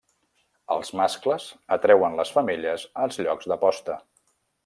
Els mascles atreuen les femelles als llocs de posta.